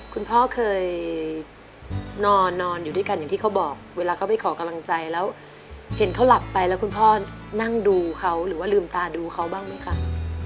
คุณพ่อเคยนอนอยู่ด้วยกันอย่างที่เขาบอกเวลาเขาไปขอกำลังใจแล้วเห็นเขาหลับไปแล้วคุณพ่อนั่งดูเขาหรือว่าลืมตาดูเขาบ้างไหมคะ